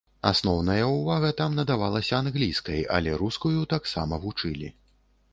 Асноўная ўвага там надавалася англійскай, але рускую таксама вучылі.